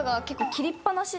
切りっぱなし？